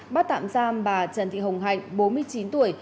bắt tạm giam bà trần thị hồng hạnh bốn mươi chín tuổi